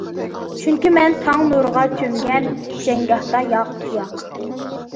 چۈنكى مەن تاڭ نۇرىغا چۆمگەن جەڭگاھتا، ياق، ياق!